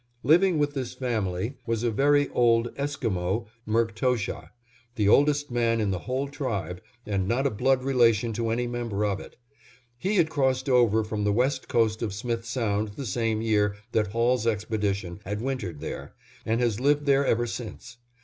Living with this family was a very old Esquimo, Merktoshah, the oldest man in the whole tribe, and not a blood relation to any member of it. He had crossed over from the west coast of Smith Sound the same year that Hall's expedition had wintered there, and has lived there ever since.